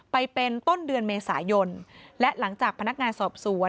ไปเป็นต้นเดือนเมษายนและหลังจากพนักงานสอบสวน